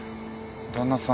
旦那さん